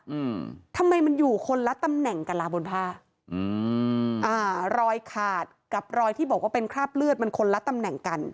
อืมทำไมมันอยู่คนละตำแหน่งกันล่ะบนผ้าอืมอ่ารอยขาดกับรอยที่บอกว่าเป็นคราบเลือดมันคนละตำแหน่งกัน